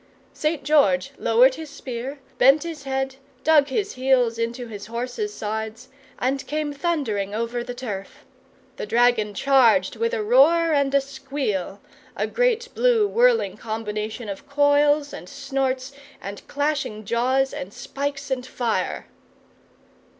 St. George lowered his spear, bent his head, dug his heels into his horse's sides, and came thundering over the turf. The dragon charged with a roar and a squeal, a great blue whirling combination of coils and snorts and clashing jaws and spikes and fire.